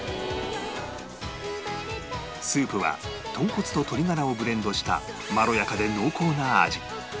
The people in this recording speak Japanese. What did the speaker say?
スープは豚骨と鶏ガラをブレンドしたまろやかで濃厚な味